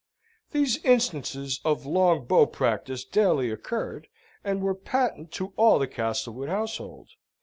These instances of long bow practice daily occurred, and were patent to all the Castlewood household.